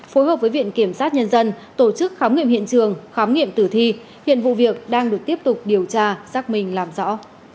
phối hợp với viện kiểm sát nhân dân tổ chức khám nghiệm hiện trường khám nghiệm tử thi hiện vụ việc đang được tiếp tục điều tra xác minh làm rõ